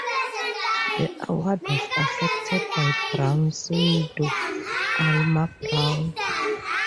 The award was accepted by Brown's widow, Alma Brown.